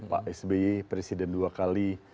pak sby presiden dua kali